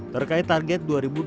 terkait target dua ribu dua puluh